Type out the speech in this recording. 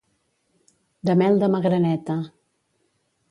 De mel de magraneta.